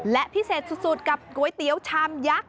และพิเศษสุดกับก๋วยเตี๋ยวชามยักษ์